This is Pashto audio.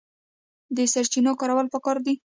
د سرچینو کارول پکار دي